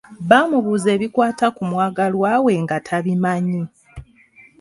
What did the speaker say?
Baamubuuza ebikwata ku mwagalwa we nga tabimanyi.